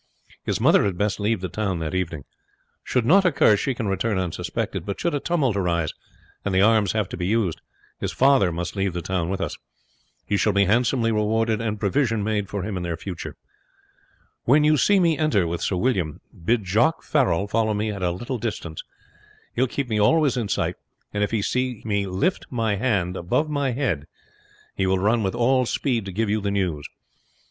His mother had best leave the town that evening. Should nought occur she can return unsuspected; but should a tumult arise, and the arms have to be used, his father must leave the town with us. He shall be handsomely rewarded, and provision made for him in the future. When you see me enter with Sir William, bid Jock Farrell follow me at a little distance; he will keep me always in sight, and if he see me lift my hand above my head he will run with all speed to give you the news.